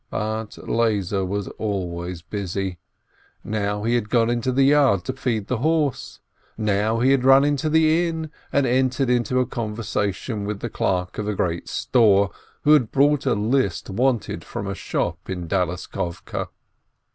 But Lezer was always busy : now he had gone into the yard to feed the horse, now he had run into the inn, and entered into a conversation with the clerk of a great store, who had brought a list of goods wanted from a shop in Dal issovke.